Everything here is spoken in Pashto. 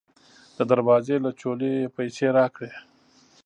د دروازې له چولې یې پیسې راکړې.